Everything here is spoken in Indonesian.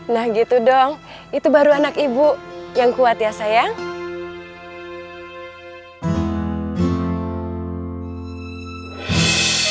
nah gitu dong itu baru anak ibu yang kuat ya sayang